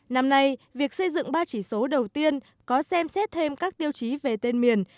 năm nay việc xây dựng ba chỉ số đầu tiên có xem xét thêm các tiêu chí về tên miền